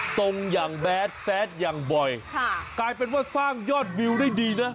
ส่งอย่างแบดแซดอย่างบ่อยกลายเป็นว่าสร้างยอดวิวได้ดีนะ